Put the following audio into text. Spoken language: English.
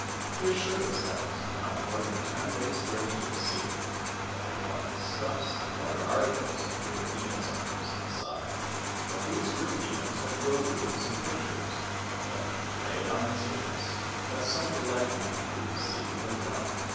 They assured us that it was not more than ten days' jonmey to the sea ; that they bought stuffs and other articles of Euro peans on the eastern side ; that these Europeans had rosaries and pictures; that they played on instruments; that some were like me, who received them well.